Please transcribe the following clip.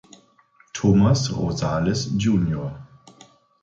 Thomas Rosales, Jr.